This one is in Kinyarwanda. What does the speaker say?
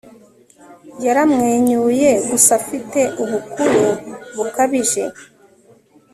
Yaramwenyuye gusa afite ubukuru bukabije